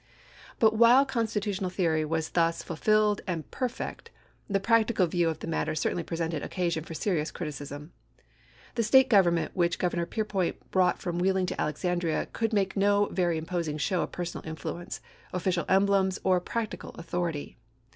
But while constitutional theory was thus ful filled and perfect, the practical view of the matter certainly presented occasion for serious criticism. The State government which Governor Peirpoint brought from Wheeling to Alexandria could make no very imposing show of personal influence, offi cial emblems, or practical authority.